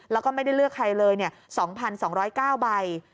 แล้วก็ไม่ได้เลือกใครเลย๒๒๐๙ใบ